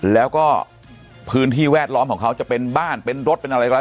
แล้วก็ผืนที่แวดล้อมของเขาจะเป็นบ้านเป็นรถอะไรแล้ว